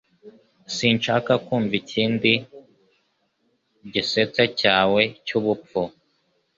Sinshaka kumva ikindi gisetsa cyawe cyubupfu